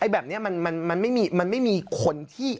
แบบนี้มันไม่มีคนที่